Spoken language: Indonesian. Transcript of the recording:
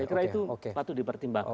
saya kira itu patut dipertimbangkan